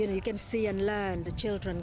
anak anak bisa melakukan hal ini